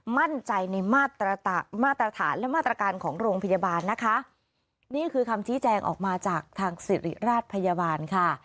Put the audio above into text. มั่นใจในมาตรฐานและมาตรการของโรงพยาบาลนะคะนี่คือคำชี้แจงออกมาจากทางสิริราชพยาบาลค่ะ